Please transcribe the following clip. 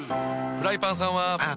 フライパンさんは。